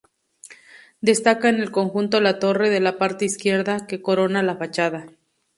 Destaca en el conjunto la torre de la parte izquierda, que corona la fachada.